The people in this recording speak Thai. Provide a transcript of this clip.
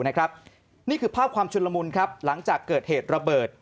นี่คือภาพความชุนละมุนครับหลังจากเกิดเหตุระเบิด